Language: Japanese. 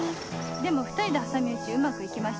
でも２人で挟み撃ちうまく行きましたね。